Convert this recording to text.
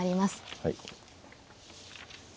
はい。